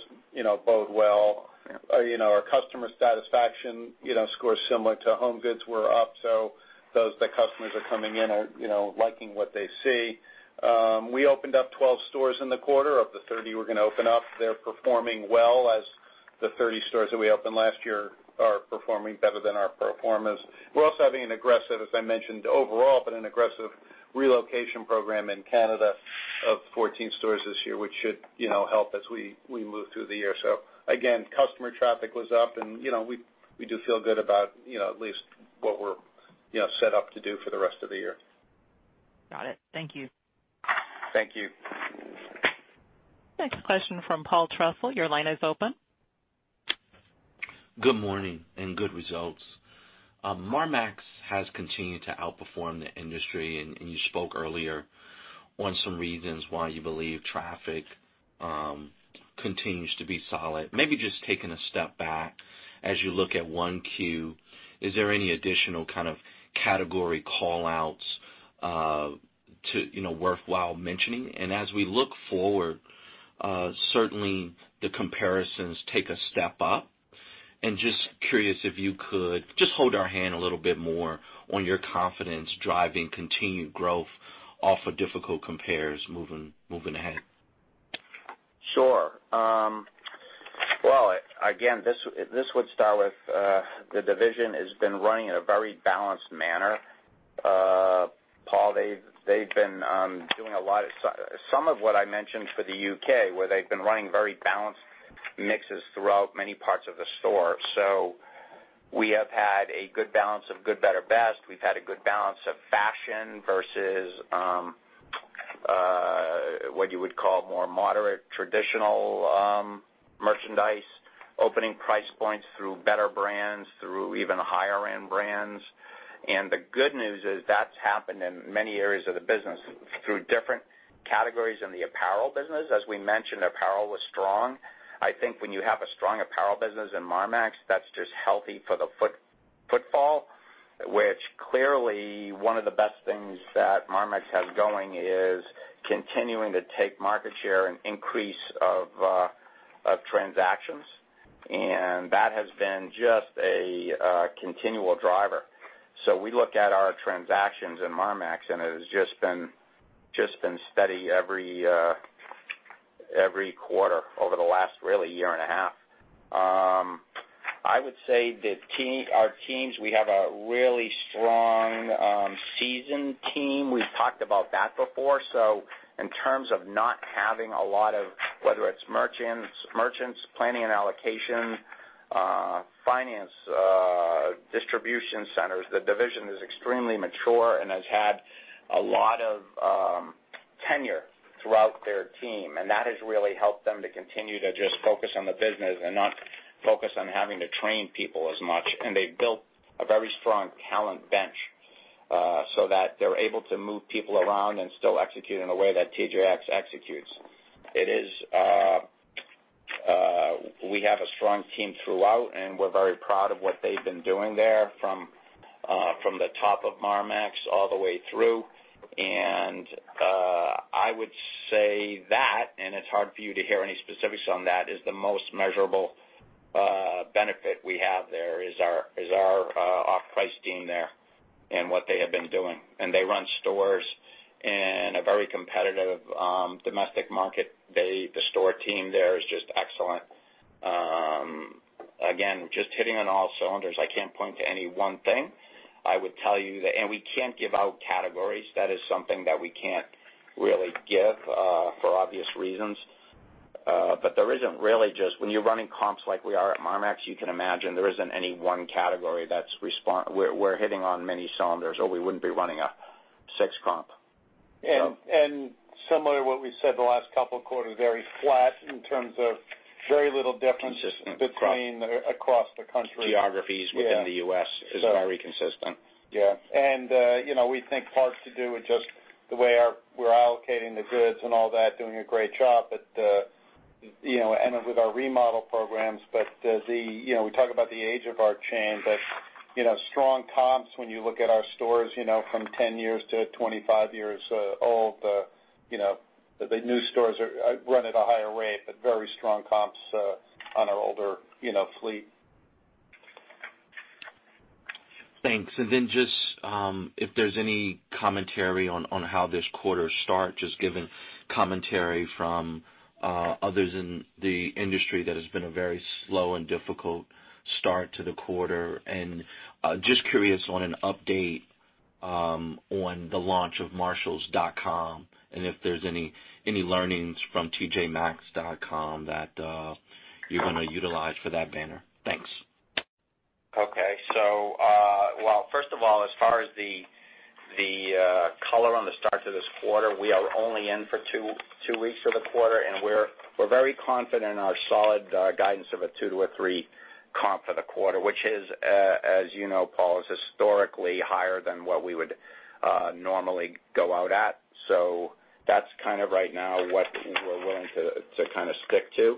bode well. Yeah. Our customer satisfaction scores similar to HomeGoods were up. The customers are coming in are liking what they see. We opened up 12 stores in the quarter of the 30 we're gonna open up. They're performing well as the 30 stores that we opened last year are performing better than our pro formas. We're also having an aggressive, as I mentioned, overall, but an aggressive relocation program in Canada of 14 stores this year, which should help as we move through the year. Again, customer traffic was up, and we do feel good about at least what we're set up to do for the rest of the year. Got it. Thank you. Thank you. Next question from Paul Trussell. Your line is open. Good morning and good results. Marmaxx has continued to outperform the industry. You spoke earlier on some reasons why you believe traffic continues to be solid. Maybe just taking a step back, as you look at 1Q, is there any additional kind of category call-outs worthwhile mentioning? As we look forward, certainly the comparisons take a step up. Just curious if you could just hold our hand a little bit more on your confidence driving continued growth off of difficult compares moving ahead. Sure. Well, again, this would start with the division has been running in a very balanced manner, Paul. They've been doing some of what I mentioned for the U.K., where they've been running very balanced mixes throughout many parts of the store. We have had a good balance of good, better, best. We've had a good balance of fashion versus what you would call more moderate traditional merchandise, opening price points through better brands, through even higher end brands. The good news is that's happened in many areas of the business through different categories in the apparel business. As we mentioned, apparel was strong. I think when you have a strong apparel business in Marmaxx, that's just healthy for the footfall, which clearly one of the best things that Marmaxx has going is continuing to take market share and increase of transactions. That has been just a continual driver. We look at our transactions in Marmaxx, and it has just been steady every quarter over the last really year and a half. I would say that our teams, we have a really strong seasoned team. We've talked about that before. So in terms of not having a lot of, whether it's merchants, planning and allocation, finance, distribution centers, the division is extremely mature and has had a lot of tenure throughout their team. That has really helped them to continue to just focus on the business and not focus on having to train people as much. They've built a very strong talent bench so that they're able to move people around and still execute in the way that TJX executes. We have a strong team throughout, and we're very proud of what they've been doing there from the top of Marmaxx all the way through. I would say that, and it's hard for you to hear any specifics on that, is the most measurable benefit we have there is our off-price team there and what they have been doing. They run stores in a very competitive domestic market. The store team there is just excellent. Again, just hitting on all cylinders. I can't point to any one thing. I would tell you that we can't give out categories. That is something that we can't really give for obvious reasons. There isn't really just when you're running comps like we are at Marmaxx, you can imagine there isn't any one category we're hitting on many cylinders, or we wouldn't be running a six comp. Similar to what we said the last couple of quarters, very flat in terms of very little difference. Consistent across between across the country. Geographies within the U.S. is very consistent. Yeah. We think parts to do with just the way we're allocating the goods and all that, doing a great job, and with our remodel programs. We talk about the age of our chain, Strong comps when you look at our stores from 10 years to 25 years old. The new stores run at a higher rate, Very strong comps on our older fleet. Thanks. Just if there's any commentary on how this quarter start, just given commentary from others in the industry that it's been a very slow and difficult start to the quarter. Just curious on an update on the launch of marshalls.com and if there's any learnings from tjmaxx.com that you're going to utilize for that banner. Thanks. Okay. Well, first of all, as far as the color on the start to this quarter, we are only in for two weeks of the quarter, We're very confident in our solid guidance of a two to a three comp for the quarter, which is, as you know, Paul, is historically higher than what we would normally go out at. That's kind of right now what we're willing to kind of stick to.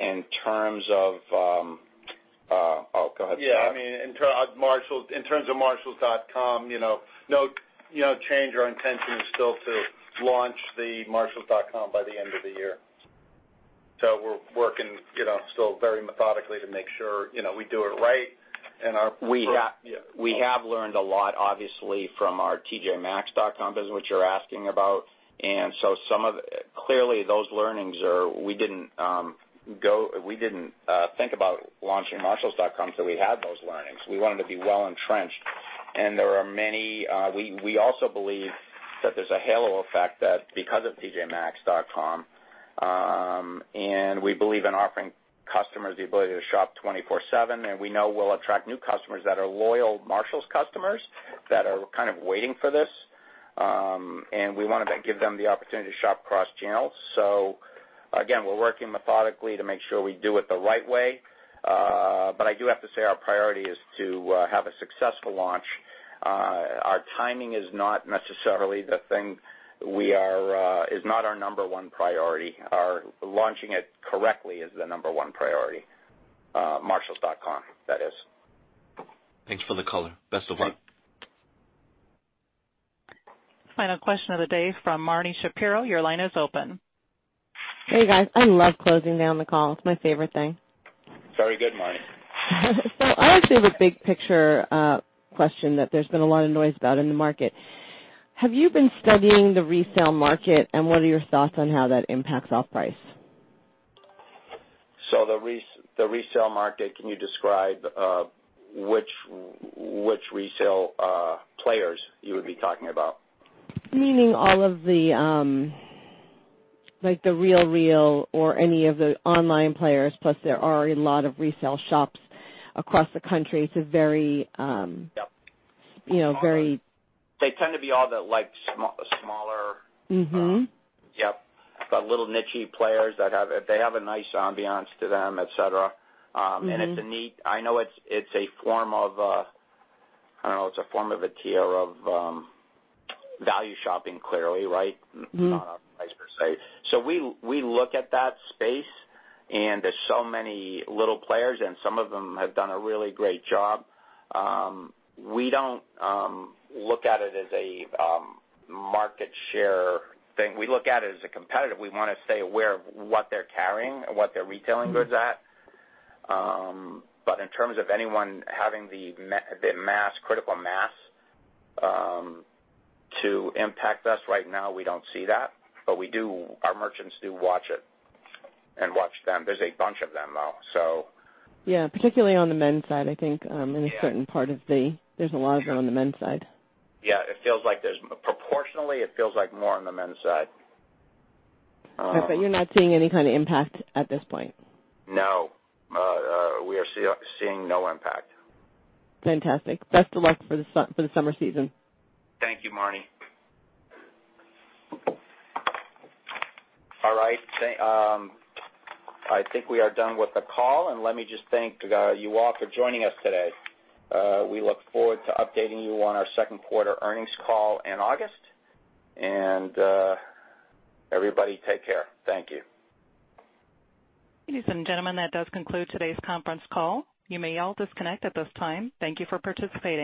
In terms of Oh, go ahead, Scott. I mean, in terms of marshalls.com, no change. Our intention is still to launch the marshalls.com by the end of the year. We're working still very methodically to make sure we do it right. We have learned a lot, obviously, from our tjmaxx.com business, which you're asking about. Clearly those learnings are we didn't think about launching marshalls.com till we had those learnings. We wanted to be well-entrenched. We also believe that there's a halo effect that because of tjmaxx.com, and we believe in offering customers the ability to shop 24 seven, and we know we'll attract new customers that are loyal Marshalls customers that are kind of waiting for this. We wanted to give them the opportunity to shop cross-channel. Again, we're working methodically to make sure we do it the right way. I do have to say our priority is to have a successful launch. Our timing is not necessarily the thing is not our number one priority. Launching it correctly is the number one priority. marshalls.com, that is. Thanks for the color. Best of luck. Final question of the day from Marni Shapiro. Your line is open. Hey, guys. I love closing down the call. It's my favorite thing. Very good, Marni. I just have a big picture question that there's been a lot of noise about in the market. Have you been studying the resale market, and what are your thoughts on how that impacts off-price? The resale market, can you describe which resale players you would be talking about? Meaning all of the, like, The RealReal or any of the online players, plus there are a lot of resale shops across the country. It's a very- Yep. You know, very They tend to be all the, like, smaller- Yep. The little niche-y players that have a nice ambiance to them, et cetera. I know it's a form of, I don't know, it's a form of a tier of value shopping, clearly, right? Not off-price, per se. We look at that space, there's so many little players, and some of them have done a really great job. We don't look at it as a market share thing. We look at it as a competitor. We want to stay aware of what they're carrying and what they're retailing goods at. In terms of anyone having the critical mass to impact us right now, we don't see that, but our merchants do watch it and watch them. There's a bunch of them, though, so. Yeah, particularly on the men's side. Yeah. There's a lot of them on the men's side. Yeah, proportionally, it feels like more on the men's side. You're not seeing any kind of impact at this point. No. We are seeing no impact. Fantastic. Best of luck for the summer season. Thank you, Marni. All right. I think we are done with the call, and let me just thank you all for joining us today. We look forward to updating you on our second quarter earnings call in August. Everybody, take care. Thank you. Ladies and gentlemen, that does conclude today's conference call. You may all disconnect at this time. Thank you for participating.